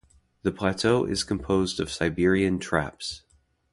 The plateau is composed of Siberian Traps.